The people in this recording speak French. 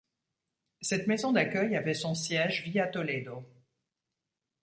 Cette maison d'accueil avait son siège via Toledo.